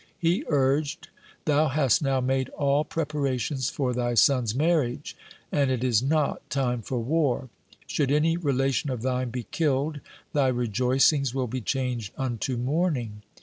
He urged, ' Thou hast now made all preparations for thy son's marriage, and it is not time for war. Should any relation of thine be killed, thy rejoicings will be changed unto mourning.